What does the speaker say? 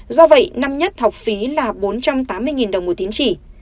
do vậy năm nhất học phí là bốn trăm tám mươi đồng một tín chỉ